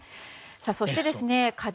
そして、課題。